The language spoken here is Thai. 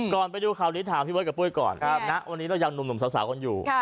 ก่อนไปดูคราวนี้ถามพี่เว้ยกับปุ๊ยก่อนนะวันนี้เรายังหนุ่มหนุ่มสาวกันอยู่